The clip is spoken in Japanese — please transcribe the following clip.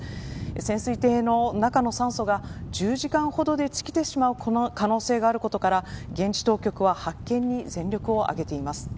潜水艇の中の酸素が１０時間ほどでつきてしまう可能性があることから現地当局は発見に全力を挙げています。